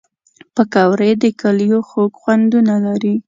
پکورې د کلیو خوږ خوندونه لري